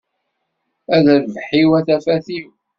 A rrbeḥ-iw, a tafat-iw!